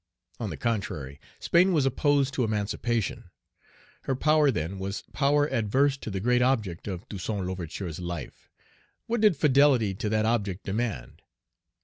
On the contrary, Spain was opposed to emancipation. Her power, then, was power adverse to the great object of Toussaint L'Ouverture's life. What did fidelity to that object demand?